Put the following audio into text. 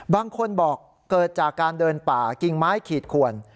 บางคนบอกเกิดจากการเดินป่ากิ่งไม้ขีดขวน